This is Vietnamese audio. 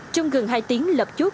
trong gần hai tiếng lập chốt